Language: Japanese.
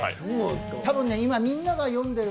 多分今、みんなが呼んでる